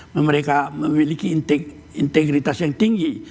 mereka memiliki integritas yang tinggi